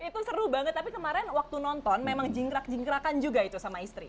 itu seru banget tapi kemarin waktu nonton memang jingkrak jingkrakan juga itu sama istri